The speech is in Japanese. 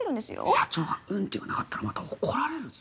社長が「うん」って言わなかったらまた怒られるぞ。